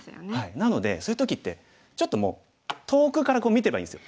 なのでそういう時ってちょっともう遠くから見てればいいんですよ。